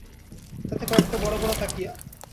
তাতে কয়েকটা বড় বড় তাকিয়া।